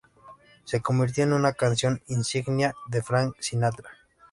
Se convirtió en una canción insignia de Frank Sinatra.